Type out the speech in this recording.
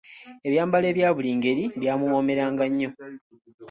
Ebyambalo ebya buli ngeri byamuwoomeranga nnyo.